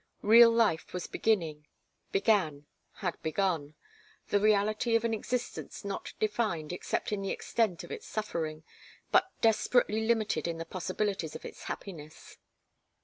Real life was beginning, began, had begun the reality of an existence not defined except in the extent of its suffering, but desperately limited in the possibilities of its happiness.